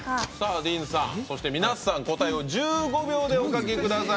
ＤＥＡＮさんそして、皆さん、答えを１５秒でお書きください。